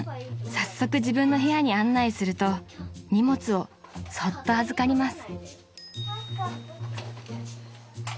早速自分の部屋に案内すると荷物をそっと預かります］